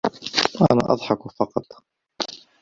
أنا أضحك فقط.